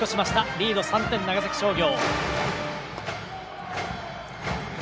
リードは３点、長崎商業。